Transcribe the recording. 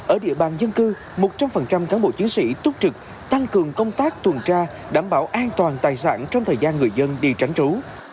ở địa bàn dân cư một trăm linh cán bộ chiến sĩ túc trực tăng cường công tác tuần tra đảm bảo an toàn tài sản trong thời gian người dân đi tránh trú